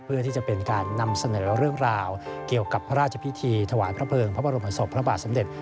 เพื่อที่จะเป็นการนำเสนอเรื่องราวเกี่ยวกับพระราชพิธีถวายพระเภิงพระบรมศพพระบาทสำเร็จ